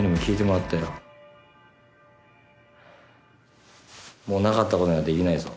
もうなかった事にはできないぞ。